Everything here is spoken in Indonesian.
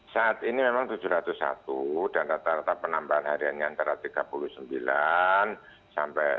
saat ini memang tujuh ratus satu dan rata rata penambahan hariannya antara tiga puluh sembilan sampai